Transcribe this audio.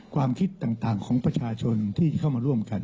ความคิดต่างของประชาชนที่เข้ามาร่วมกัน